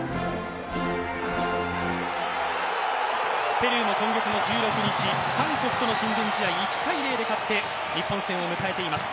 ペルーも今月１６日韓国との親善試合１−０で勝って日本戦を迎えています。